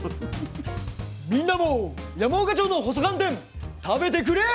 みんなも山岡町の細寒天食べてくれ！